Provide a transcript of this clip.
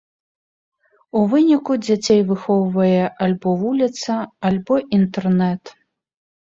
У выніку дзяцей выхоўвае альбо вуліца, альбо інтэрнэт!